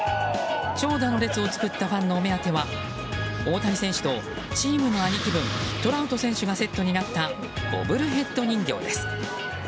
長蛇の列を作ったファンのお目当ては大谷選手と、チームの兄貴分トラウト選手がセットになったボブルヘッド人形です。